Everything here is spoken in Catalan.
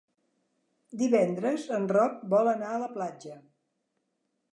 Divendres en Roc vol anar a la platja.